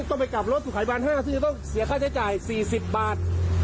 ต้องไปกลับรถสุขัยวัน๕นาทีจะต้องเสียค่าใช้จ่าย๔๐บาท